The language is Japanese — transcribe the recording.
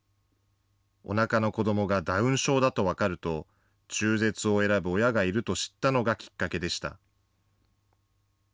おなかの子どもがダウン症だと分かると、中絶を選ぶ親がいると知ったのがきっかけでした。